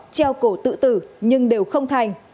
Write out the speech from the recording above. treo cổ tự tử nhưng đều không thành